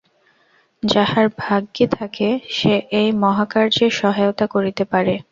যাহার ভাগ্যে থাকে, সে এই মহাকার্যে সহায়তা করিতে পারে।